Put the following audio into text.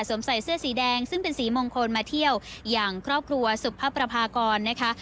ใส่เสื้อสีแดงซึ่งเป็นสีมงคลมาเที่ยวอย่างครอบครัวสุภประพากรนะคะ